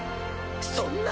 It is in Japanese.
そんな！